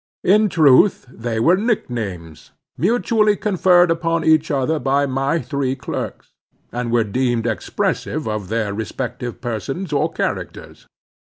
In truth they were nicknames, mutually conferred upon each other by my three clerks, and were deemed expressive of their respective persons or characters.